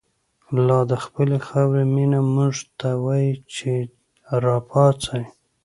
لا دخپلی خاوری مینه، مونږ ته وایی چه ر ا پا څۍ